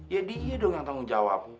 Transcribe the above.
ya dia dong yang tanggung jawab